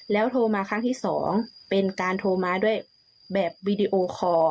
โทรมาครั้งที่๒เป็นการโทรมาด้วยแบบวีดีโอคอร์